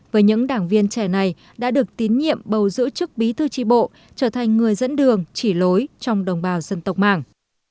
với những đảng viên trẻ này đã được tín nhiệm bầu giữ chức bí thư tri bộ trở thành người dẫn đường chỉ lối trong đồng bào dân tộc mạng